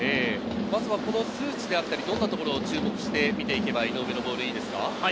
数値であったり、どんなところを注目して見ていけば、井上のボールはいいですか？